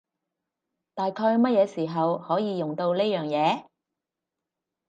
大概乜嘢時候可以用到呢樣嘢？